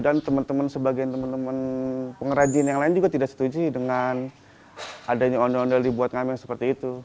dan teman teman sebagai teman teman pengrajin yang lain juga tidak setuju dengan adanya ondo ondo dibuat mengamen seperti itu